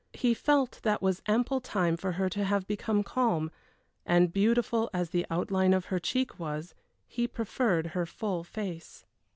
He felt that was ample time for her to have become calm, and, beautiful as the outline of her cheek was, he preferred her full face.